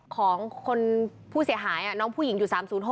ของคนผู้เสียหายน้องผู้หญิงอยู่๓๐๖